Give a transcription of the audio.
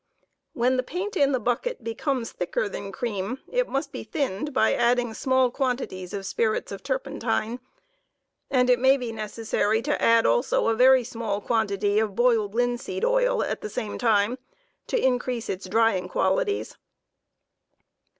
When the paint in the paint bucket becomes thicker than cream, it must be thinned by adding small quantities of spirits of turpentine, and it may be necessary to add also a very small quantity of boiled linseed oil at the same time to increase its drying qualities.